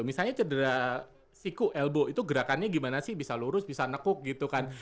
misalnya cedera siku elbo itu gerakannya gimana sih bisa lurus bisa nekuk gitu kan